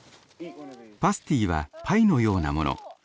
パスティはパイのようなもの。